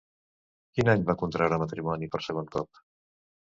Quin any va contraure matrimoni per segon cop?